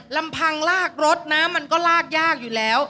ลำพังลากรถน้ำมันก็ลากยากอยู่แล้ว